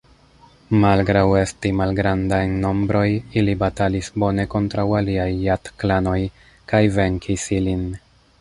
Malgraŭ esti malgranda en nombroj, ili batalis bone kontraŭ aliaj Jat-klanoj kaj venkis ilin.